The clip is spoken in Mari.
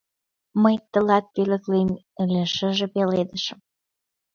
Мый тылат пӧлеклем ыле шыже пеледышым